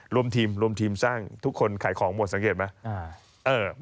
รวมทีมสร้างทุกคนขายของหมดสังเกตไหม